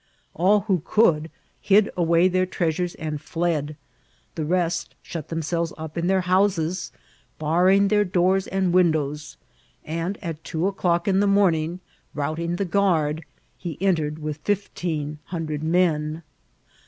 All who could hid away their treasures and fled ; the rest shut themselves up in their houses, barring their doors and windows, and at two o'clock in the morning, routing the guard, he entered with fifteen hun* dred men.